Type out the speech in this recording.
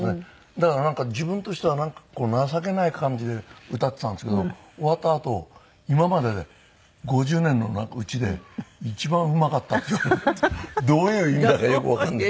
だから自分としてはなんか情けない感じで歌ってたんですけど終わったあと今までで５０年のうちで一番うまかったって言われてどういう意味だかよくわかんない。